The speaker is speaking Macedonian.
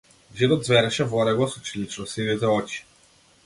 Џинот ѕвереше во него со челичносините очи.